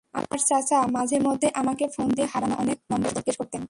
আমার চাচা মাঝেমধ্যেই আমাকে ফোন দিয়ে হারানো অনেক নম্বর জিজ্ঞেস করতেন।